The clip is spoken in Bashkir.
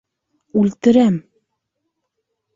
Үлтерәм!